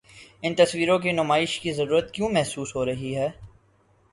ان تصویروں کی نمائش کی ضرورت کیوں محسوس ہو رہی ہے؟